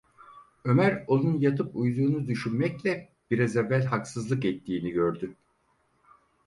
Ömer onun yatıp uyuduğunu düşünmekle biraz evvel haksızlık ettiğini gördü.